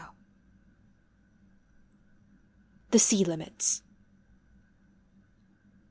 THE SEA LIMITS.